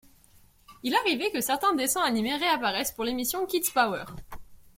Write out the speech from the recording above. Il arrivait que certains dessins animés réapparaissaient pour l'émission Kidz Power.